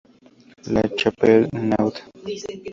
La Chapelle-Naude